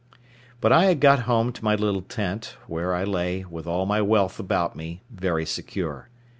But I had got home to my little tent, where I lay, with all my wealth about me, very secure.